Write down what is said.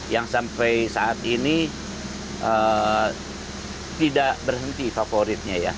yang sampai saat ini tidak berhenti favoritnya ya